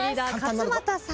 勝俣さん